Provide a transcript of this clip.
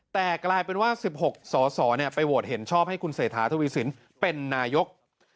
แต่กลายเป็นว่า๑๖สสไปโหวตเห็นชอบให้คุณเศรษฐาทวีสินเป็นนายก